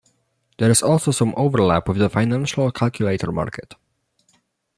There is also some overlap with the financial calculator market.